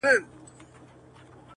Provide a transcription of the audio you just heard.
• کلي ورو ورو بدلېږي ډېر..